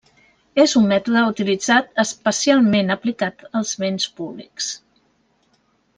És un mètode utilitzat especialment aplicat als béns públics.